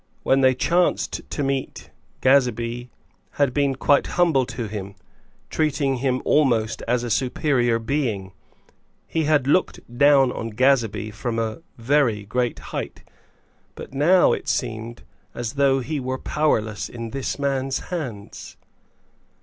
When they chanced to meet Gazebee had been quite humble to him, treating him almost as a superior being. He had looked down on Gazebee from a very great height. But now it seemed as though he were powerless in this man's hands.